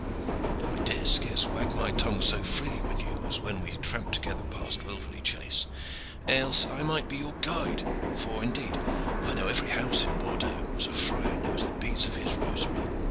I dare scarce wag my tongue so freely with you as when we tramped together past Wilverley Chase, else I might be your guide now, for indeed I know every house in Bordeaux as a friar knows the beads on his rosary."